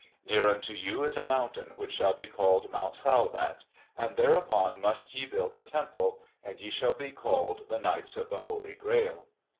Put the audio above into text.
Near unto you is a mountain which shall be called Mount Salvat, and thereupon must ye build a temple. And ye shall be called the Knights of the Holy Grail."